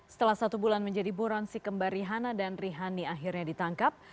setelah satu bulan menjadi buron si kembar rihanna dan rihanni akhirnya ditangkap